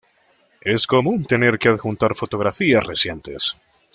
Es común tener que adjuntar fotografías recientes.